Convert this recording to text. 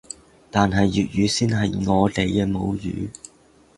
但係粵語先係我哋嘅母語